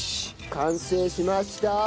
完成しました。